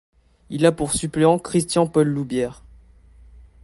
Il a pour suppléant Christian Paul-Loubière.